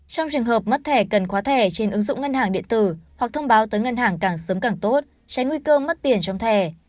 trong trường hợp mất thẻ cần khóa thẻ trên ứng dụng ngân hàng điện tử hoặc thông báo tới ngân hàng càng sớm càng tốt tránh nguy cơ mất tiền trong thẻ